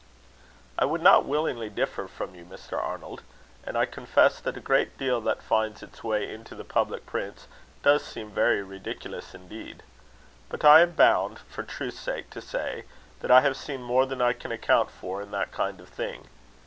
"I would not willingly differ from you, Mr. Arnold. And I confess that a great deal that finds its way into the public prints, does seem very ridiculous indeed; but I am bound, for truth's sake, to say, that I have seen more than I can account for, in that kind of thing.